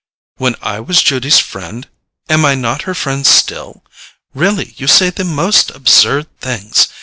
"When I was Judy's friend? Am I not her friend still? Really, you say the most absurd things!